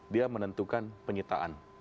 dia menentukan penyitaan